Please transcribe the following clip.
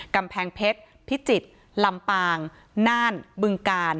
กำแพงเพชรพิจิตรลำปางน่านบึงกาล